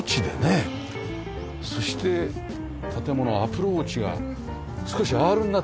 そして建物アプローチが少しアールになって。